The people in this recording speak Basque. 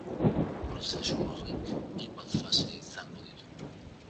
Prozesu horrek hainbat fase izango ditu.